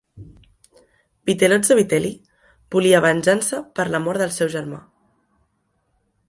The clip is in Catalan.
Vitellozzo Vitelli volia venjança per la mort del seu germà.